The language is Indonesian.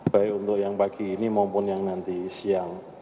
baik untuk yang pagi ini maupun yang nanti siang